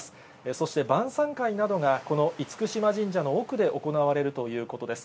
そして、晩さん会などが、この厳島神社の奥で行われるということです。